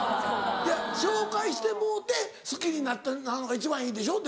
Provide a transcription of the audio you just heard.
紹介してもろうて好きになるのが一番いいでしょでも。